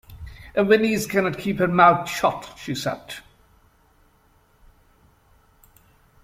"A Viennese cannot keep her mouth shut", she said.